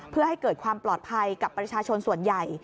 เพื่อให้เกิดความปลอดภัยกับประชาชนส่วนใหญ่